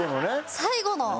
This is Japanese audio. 最後の！